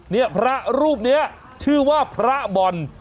เนี่ยพระรูปนี้ชื่อว่าพระบอล